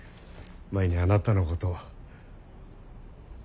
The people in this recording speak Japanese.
前にあなたのことを。